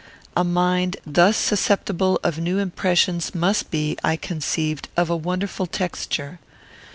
A mind thus susceptible of new impressions must be, I conceived, of a wonderful texture.